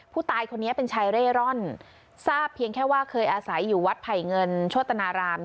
ผู้ตายคนนี้เป็นชายเร่ร่อนทราบเพียงแค่ว่าเคยอาศัยอยู่วัดไผ่เงินโชตนาราม